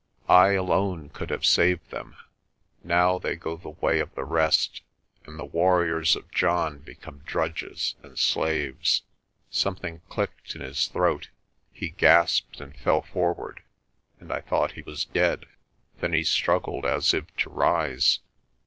I alone could have saved them. Now they go the way of the rest and the warriors of John become drudges and slaves." Something clicked in his throat, he gasped and fell for ward, and I thought he was dead. Then he struggled as if to rise.